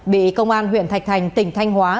bị công an huyện thạch thành tỉnh thanh hóa